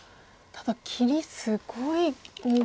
ただ切りすごい大きさ。